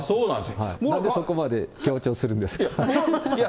なんでそこまで強調するんでいや、